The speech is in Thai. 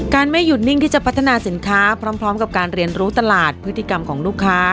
การไม่หยุดนิ่งพร้อมกับการเรียนรู้ตลาดพฤติกรรมของลูกค้า